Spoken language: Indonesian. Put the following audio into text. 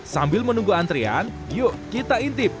sambil menunggu antrian yuk kita intip